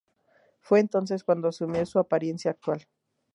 Fue entonces cuando asumió su apariencia actual.